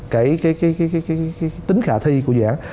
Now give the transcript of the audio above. cái tính khả thi của dự án